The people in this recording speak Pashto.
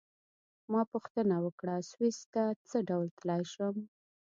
ما پوښتنه وکړه: سویس ته څه ډول تلای شم؟